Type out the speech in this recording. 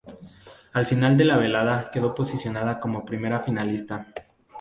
Al final de la velada quedó posicionada como primera finalista.